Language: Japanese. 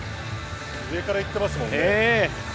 上から行ってますもんね。